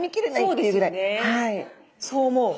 そう思う。